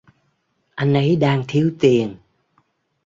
anh ấy đang thiếu tiền